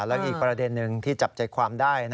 แล้วอีกประเด็นหนึ่งที่จับใจความได้